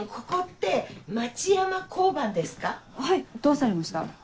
どうされました？